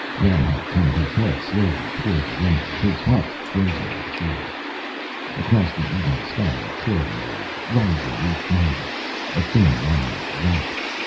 Reinhart turned his head slowly toward the window, his heart frozen with fear. Across the evening sky a trail moved, rising each moment. A thin line of white.